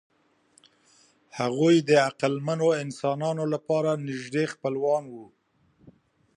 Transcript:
هغوی د عقلمنو انسانانو لپاره نږدې خپلوان وو.